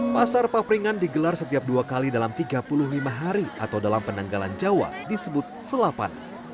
pasar papringan digelar setiap dua kali dalam tiga puluh lima hari atau dalam penanggalan jawa disebut selapan